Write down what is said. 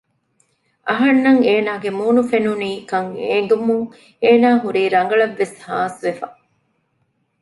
އަހަންނަށް އޭނާގެ މޫނު ފެނުނީކަން އެނގުމުން އޭނާ ހުރީ ރަނގަޅަށްވެސް ހާސްވެފަ